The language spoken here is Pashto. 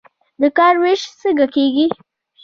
د کار ویش څنګه کیږي؟